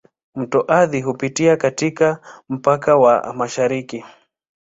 Mto Athi hupitia katika mpaka wa mashariki.